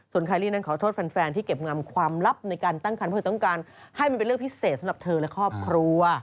คารี่นั้นขอโทษแฟนที่เก็บงำความลับในการตั้งคันเพื่อเธอต้องการให้มันเป็นเรื่องพิเศษสำหรับเธอและครอบครัว